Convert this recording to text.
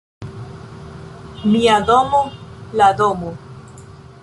Mia domo, la domo.